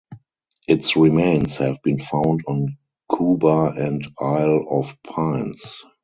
Its remains have been found on Cuba and Isle of Pines.